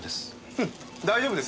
うん大丈夫です。